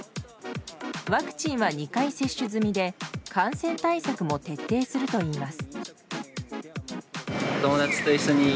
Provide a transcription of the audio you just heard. ワクチンは２回接種済みで感染対策も徹底するといいます。